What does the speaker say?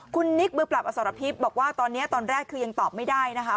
คุณนิกมือปรับอสรพิษบอกว่าตอนนี้ตอนแรกคือยังตอบไม่ได้นะคะ